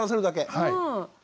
はい。